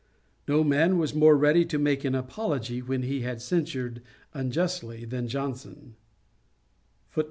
No man was more ready to make an apology when he had censured unjustly, than Johnson.